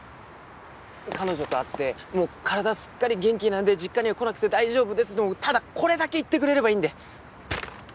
彼女と会って「もう体はすっかり元気なんで実家には来なくて大丈夫です」ってただこれだけ言ってくれればいいんで！